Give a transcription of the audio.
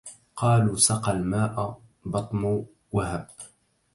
قالوا سقى الماء بطن وهب